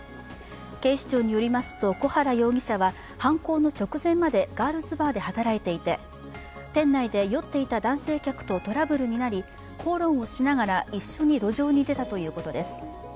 警視庁によりますと、小原容疑者は犯行の直前までガールズバーで働いていて店内で酔っていた男性客とトラブルになり、口論をしながら一緒に路上に出たということです。